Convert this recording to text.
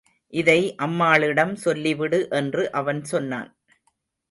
இதை அம்மாளிடம் சொல்லிவிடு என்று அவன் சொன்னான்.